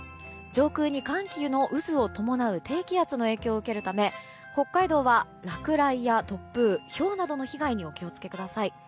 上空に、寒気の渦を伴う低気圧の影響を受けるため北海道は落雷や突風ひょうなどの被害にお気を付けください。